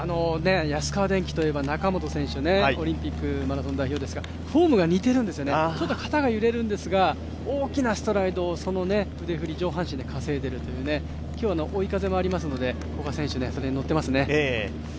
安川電機といえば中本選手、オリンピック代表ですが、フォームが似ているんですよね、ちょっと肩が揺れるんですが、大きなストライド、腕降りを上半身で稼いでいるという今日の追い風もありますので、古賀選手、それに乗ってますね。